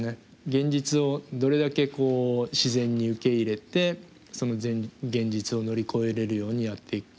現実をどれだけ自然に受け入れてその現実を乗り越えれるようにやっていくか。